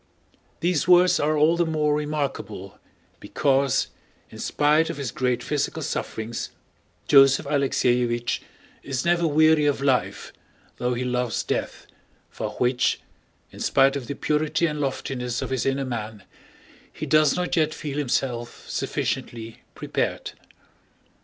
These words are all the more remarkable because, in spite of his great physical sufferings, Joseph Alexéevich is never weary of life though he loves death, for which—in spite of the purity and loftiness of his inner man—he does not yet feel himself sufficiently prepared.